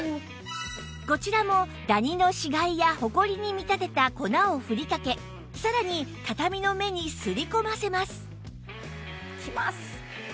こちらもダニの死骸やホコリに見立てた粉をふりかけさらに畳の目にすり込ませますいきます。